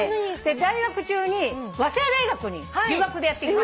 在学中に早稲田大学に留学でやって来て。